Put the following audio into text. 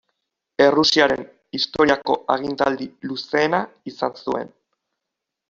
Errusiaren historiako agintaldi luzeena izan zuen.